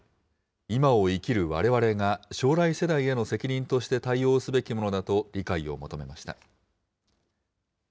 今を生きるわれわれが将来世代への責任として対応すべきものだと理解を求めました。